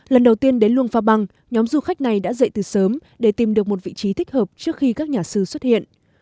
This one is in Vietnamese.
lần đầu tiên đến luông pha băng nhóm du khách này đã dậy từ sớm để tìm được một vị trí thích hợp trước khi các nhà sư xuất hiện